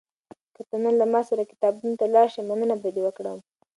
که ته نن له ما سره کتابتون ته لاړ شې، مننه به دې وکړم.